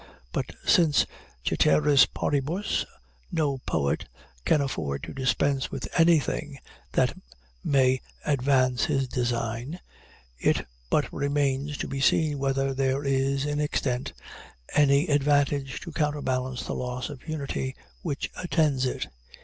But since, ceteris paribus, no poet can afford to dispense with anything that may advance his design, it but remains to be seen whether there is, in extent, any advantage to counterbalance the loss of unity which attends it.